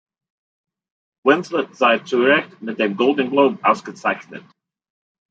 Winslet sei zu Recht mit dem Golden Globe ausgezeichnet.